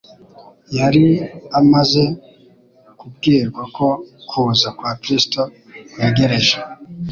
yari amaze kubwirwa ko kuza kwa Kristo kwegereje.